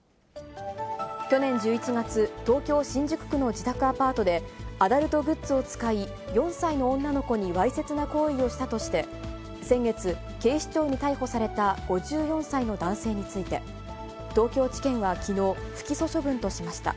去年１１月、東京・新宿区の自宅アパートで、アダルトグッズを使い、４歳の女の子にわいせつな行為をしたとして先月、警視庁に逮捕された５４歳の男性について、東京地検はきのう、不起訴処分としました。